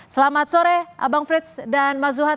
selamat sore abang frits dan mas zhad